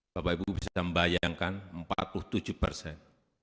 bapak ibu bisa membayangkan empat puluh tujuh persen